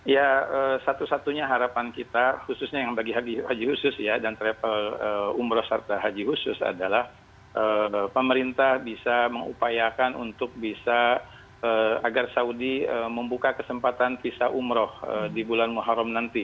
ya satu satunya harapan kita khususnya yang bagi haji khusus ya dan travel umroh serta haji khusus adalah pemerintah bisa mengupayakan untuk bisa agar saudi membuka kesempatan visa umroh di bulan muharram nanti